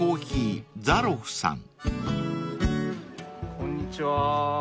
こんにちは。